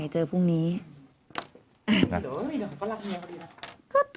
เจอพรุ่งนี้